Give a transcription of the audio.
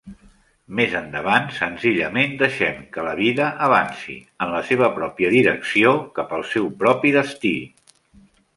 Més endavant, senzillament deixem que la vida avanci, en la seva pròpia direcció, cap al seu propi destí.